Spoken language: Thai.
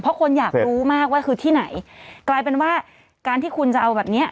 เพราะคนอยากรู้มากว่าคือที่ไหนกลายเป็นว่าการที่คุณจะเอาแบบเนี้ย